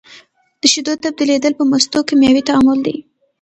د شیدو تبدیلیدل په مستو کیمیاوي تعامل دی.